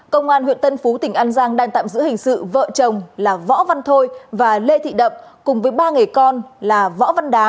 công an huyện tân phú tỉnh an giang đang tạm giữ hình sự vợ chồng là võ văn thôi và lê thị đậm cùng với ba người con là võ văn đá